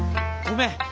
ごめん。